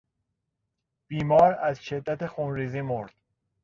بیمار از شدت خونریزی مرد.